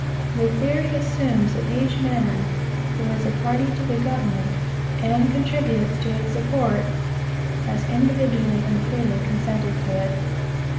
The theory assumes that each man, who is a party to the government, and contributes to its support, has individually and freely consented to it.